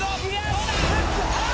どうだ？